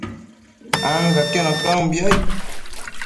ancaquiono caumbi, aid